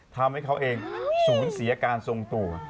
ทำให้เขาเองสูญเสียการทรงตัว